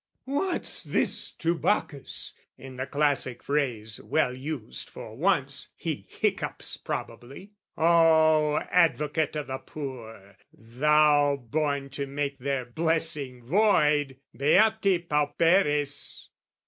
"What's this to Bacchus?" (in the classic phrase, Well used, for once) he hiccups probably. O Advocate o' the poor, thou born to make Their blessing void beati pauperes!